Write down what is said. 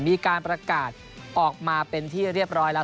มีการประกาศออกมาเป็นที่เรียบร้อยแล้ว